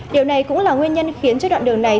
điều này cũng là nguyên nhân khiến cho đoạn đường này